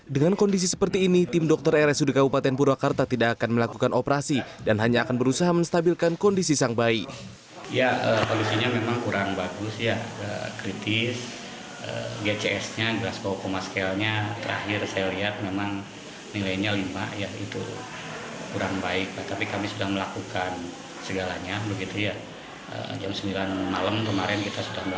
dengan kondisi seperti ini tim dokter rsud kabupaten purwakarta tidak akan melakukan operasi dan hanya akan berusaha menstabilkan kondisi sang bayi